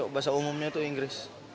bahasa umumnya tuh inggris